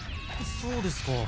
そうですか。